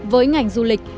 với ngành du lịch